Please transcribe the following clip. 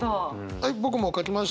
はい僕も書きました。